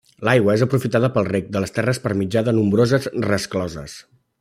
L'aigua és aprofitada pel reg de les terres per mitjà de nombroses rescloses.